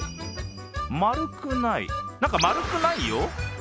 丸くない、なんか丸くないよ！